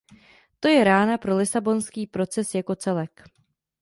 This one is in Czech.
To je rána pro lisabonský proces jako celek.